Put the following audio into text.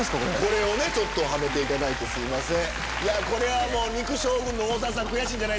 これをねはめていただいてすいません。